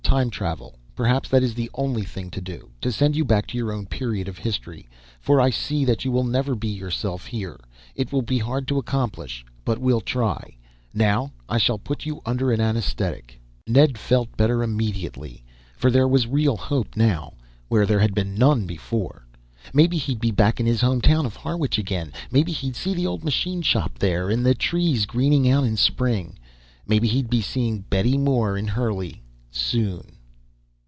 "Time travel. Perhaps that is the only thing to do to send you back to your own period of history. For I see that you will never be yourself, here. It will be hard to accomplish, but we'll try. Now I shall put you under an anesthetic...." Ned felt better immediately, for there was real hope now, where there had been none before. Maybe he'd be back in his home town of Harwich again. Maybe he'd see the old machine shop, there. And the trees greening out in Spring. Maybe he'd be seeing Betty Moore in Hurley, soon....